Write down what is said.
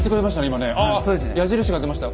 矢印が出ました。